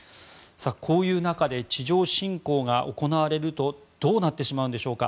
こういう中で地上侵攻が行われるとどうなってしまうんでしょうか。